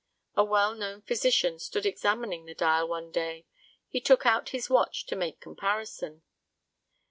A well known physician stood examining the dial one day. He took out his watch to make comparison.